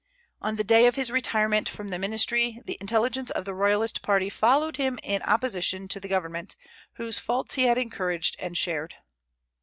On the day of his retirement from the ministry the intelligence of the Royalist party followed him in opposition to the government, whose faults he had encouraged and shared.